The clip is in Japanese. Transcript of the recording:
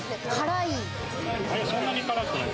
そんなに辛くない。